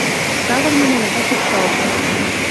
Савырныме еда шупшалже.